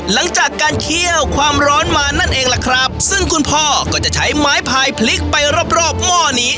หลังจากการเคี่ยวความร้อนมานั่นเองล่ะครับซึ่งคุณพ่อก็จะใช้ไม้พายพลิกไปรอบรอบหม้อนี้